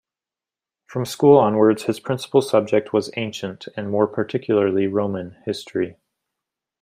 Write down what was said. From school onwards his principal subject was ancient and more particularly Roman history.